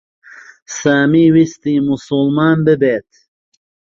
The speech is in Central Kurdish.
سامی ویستی موسڵمان ببێت.